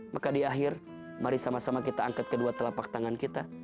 maka di akhir mari sama sama kita angkat kedua telapak tangan kita